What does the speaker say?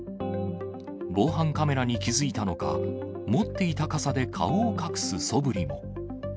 防犯カメラに気付いたのか、持っていた傘で顔を隠すそぶりも。